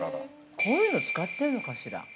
こういうのを使ってるのかしら。